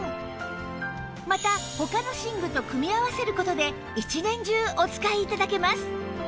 また他の寝具と組み合わせる事で一年中お使い頂けます